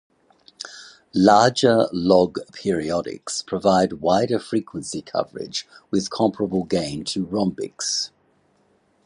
Larger log periodics provide wider frequency coverage with comparable gain to rhombics.